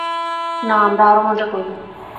না, আমরা আরও মজা করব।